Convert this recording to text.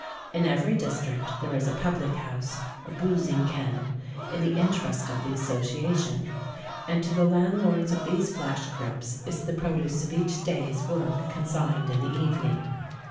In every district there is a public house, or boozing ken, in the interest of the association; and to the landlords of these flash cribs is the produce of each day's work consigned in the evening.